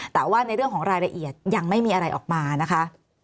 แต่ว่าในเรื่องของรายละเอียดยังไม่มีอะไรออกมานะคะ